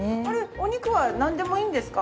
お肉はなんでもいいんですか？